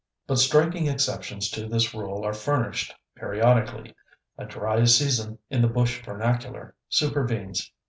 But striking exceptions to this rule are furnished periodically. "A dry season," in the bush vernacular, supervenes.